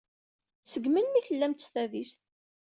Seg melmi ay tellamt s tadist?